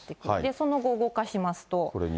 その後、動かしますと。